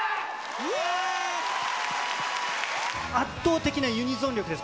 圧倒的なユニゾン力です。